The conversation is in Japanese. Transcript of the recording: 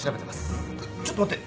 ちょっと待って。